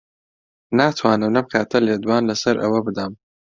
ناتوانم لەم کاتە لێدوان لەسەر ئەوە بدەم.